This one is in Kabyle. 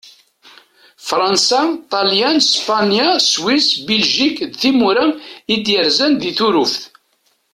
Fṛansa, Ṭelyan, Spanya, Swis, Biljik d timura i d-yerzan di Turuft.